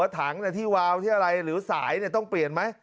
ถังที่วาวที่อะไรหรือสายต้องเปลี่ยนไหม